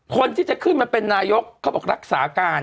คนที่จะขึ้นมาเป็นนายกเขาบอกรักษาการ